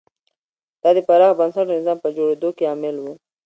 دا د پراخ بنسټه نظام په جوړېدو کې عامل و.